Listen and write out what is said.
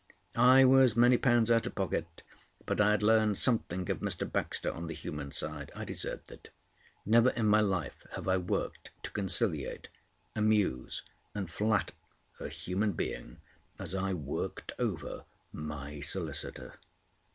I was many pounds out of pocket, but I had learned something of Mr. Baxter on the human side. I deserved it. Never in my life have I worked to conciliate, amuse, and flatter a human being as I worked over my solicitor.